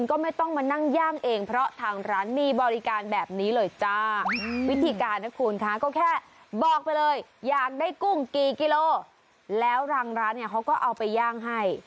กุ้งกี่กิโลแล้วรางร้านเนี่ยเขาก็เอาไปย่างให้